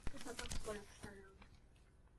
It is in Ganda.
Topapa kukola kusalawo.